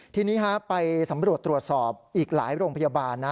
ทีนี้ไปสำรวจตรวจสอบอีกหลายโรงพยาบาลนะ